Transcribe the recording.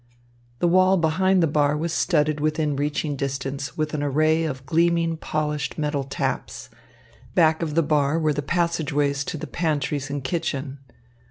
The wall behind the bar was studded within reaching distance with an array of gleaming polished metal taps; back of the bar were the passageways to the pantries and kitchen.